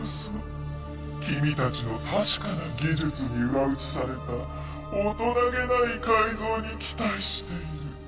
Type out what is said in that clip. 君たちの確かな技術に裏打ちされた大人げない改造に期待している。